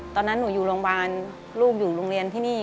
ตอนนั้นหนูอยู่โรงพยาบาลลูกอยู่โรงเรียนที่นี่